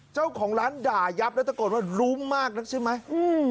เจ้าของร้านด่ายับแล้วตะโกนว่ารุ้งมากนักใช่ไหมอืม